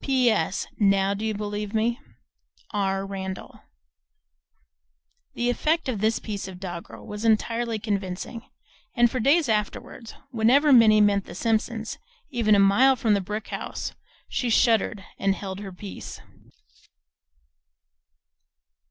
P. S. Now do you believe me? R. Randall. The effect of this piece of doggerel was entirely convincing, and for days afterwards whenever Minnie met the Simpsons even a mile from the brick house she shuddered and held her peace.